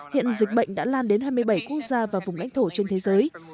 hiện dịch bệnh đã lan đến hai mươi bảy quốc gia và vùng lãnh thổ trên thế giới